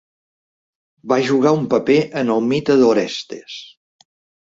Va jugar un paper en el mite d'Orestes.